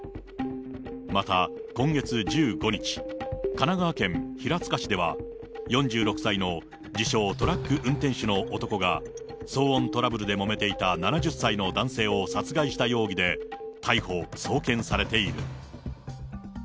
また、今月１５日、神奈川県平塚市では、４６歳の自称、トラック運転手の男が、騒音トラブルでもめていた７０歳の男性を殺害した容疑で逮捕・送検されている。